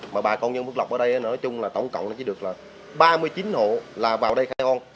mà bà con dân phước đồng ở đây nói chung là tổng cộng nó chỉ được là ba mươi chín hộ là vào đây khai hoang